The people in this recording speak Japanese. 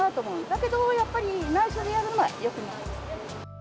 だけどやっぱり、ないしょでやるのはよくないですね。